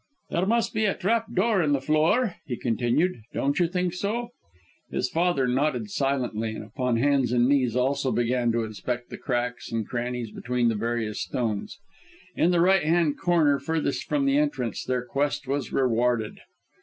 "There must be a trap door in the floor?" he continued. "Don't you think so?" His father nodded silently, and upon hands and knees also began to inspect the cracks and crannies between the various stones. In the right hand corner furthest from the entrance, their quest was rewarded.